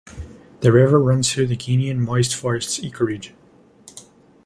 The river runs through the Guianan moist forests ecoregion.